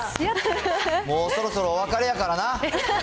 もうそろそろお別れやからな。